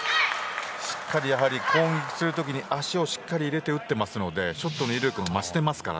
攻撃する時に足をしっかり入れて打ってますのでショットの威力が増してますから。